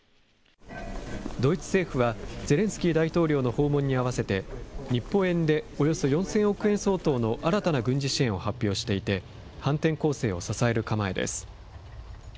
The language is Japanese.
ドイツ政府は、ゼレンスキー大統領の訪問に合わせて、日本円でおよそ４０００億円相当の新たな軍事支援を発表していて、反転攻勢を支える構えです。